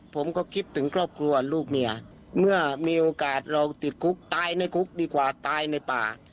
ผมก็คิดถึงครอบครัวลูกเมียเมื่อมีโอกาสเราติดคุกตายในคุกดีกว่าตายในป่า